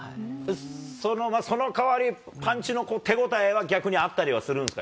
そのかわり、パンチの手応えは逆にあったりはするんですか？